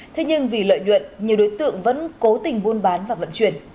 thế nhưng vì lợi nhuận nhiều đối tượng vẫn cố tình buôn bán và vận chuyển